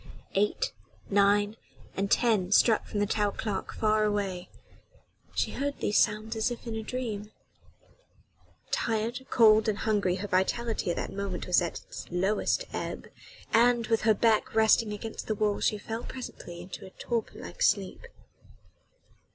Eight, nine and ten struck from the tower clock far away: she heard these sounds as in a dream. Tired, cold and hungry her vitality at that moment was at its lowest ebb and, with her back resting against the wall she fell presently into a torpor like sleep.